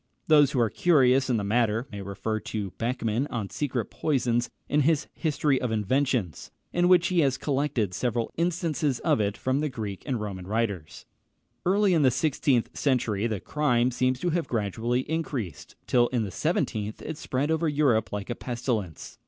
Those who are curious in the matter may refer to Beckmann on secret poisons, in his History of Inventions, in which he has collected several instances of it from the Greek and Roman writers. Early in the sixteenth century the crime seems to have gradually increased, till in the seventeenth it spread over Europe like a pestilence.